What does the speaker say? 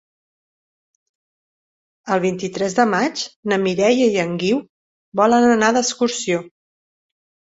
El vint-i-tres de maig na Mireia i en Guiu volen anar d'excursió.